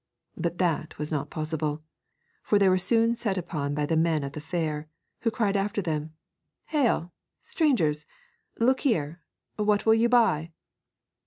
But that was not possible, for they were soon set upon by the men of the fair, who cried after them: 'Hail, strangers, look here, what will you buy?'